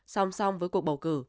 song song với cuộc bầu cử